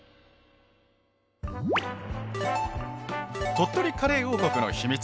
鳥取カレー王国の秘密。